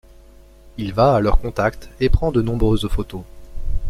Il va à leur contact et prend de nombreuses photos.